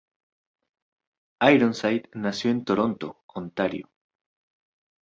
Ironside nació en Toronto, Ontario.